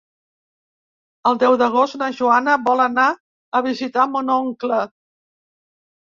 El deu d'agost na Joana vol anar a visitar mon oncle.